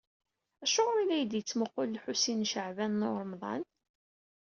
Acuɣer i la iyi-d-yettmuqqul Lḥusin n Caɛban u Ṛemḍan?